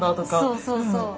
そうそうそう。